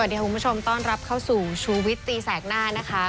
สวัสดีคุณผู้ชมต้อนรับเข้าสู่ชูวิตตีแสกหน้านะคะ